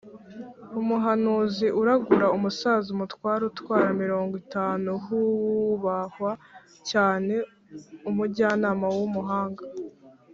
umuhanuzi uragura umusaza umutware utwara mirongo itanu h uwubahwa cyane umujyanama umuhanga